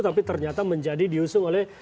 tapi ternyata menjadi diusung oleh